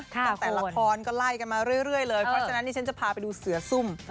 ตั้งแต่ละครก็ไล่กันมาเรื่อยเลยเพราะฉะนั้นนี่ฉันจะพาไปดูเสือซุ่ม